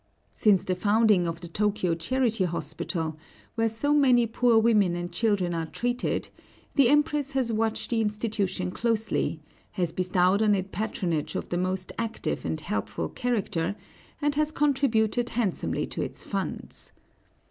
Since the founding of the Tōkyō Charity Hospital, where so many poor women and children are treated, the Empress has watched the institution closely, has bestowed on it patronage of the most active and helpful character, and has contributed handsomely to its funds.